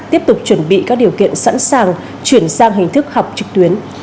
tiếp tục chuẩn bị các điều kiện sẵn sàng chuyển sang hình thức học trực tuyến